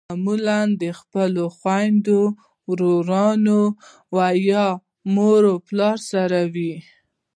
هغوی معمولأ د خپلو خویندو ورونو یا مور پلار سره وي.